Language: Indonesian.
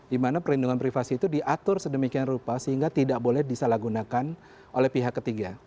dimana perlindungan privasi itu diatur sedemikian rupa sehingga tidak boleh disalahgunakan oleh pihak ketiga